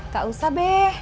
gak usah be